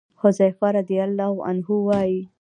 حذيفه رضي الله عنه وايي: